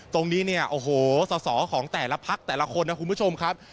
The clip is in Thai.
ตรงนี้เนี่ยโอ้โหสอสอของแต่ละพักแต่ละคนนะคุณผู้ชมครับ